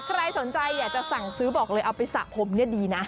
ใครสนใจอยากจะสั่งซื้อบอกเลยเอาไปสระผมเนี่ยดีนะ